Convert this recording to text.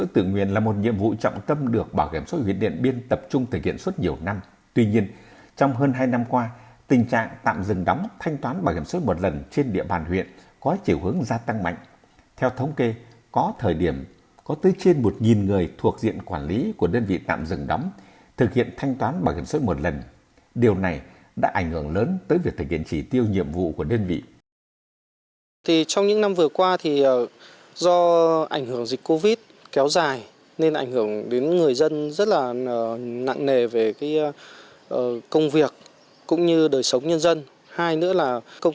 tuy nhiên năm hai nghìn hai mươi ba số giải quyết hưởng bảo hiểm suốt một lần tăng cao do ảnh hưởng của suy thoái kinh tế toàn cầu tỷ lệ người lao động mất việc gia tăng